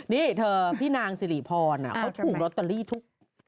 นี่เธอพี่นางสิริพรเขาถูกลอตเตอรี่ทุก